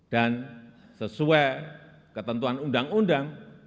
sesuai ketentuan undang undang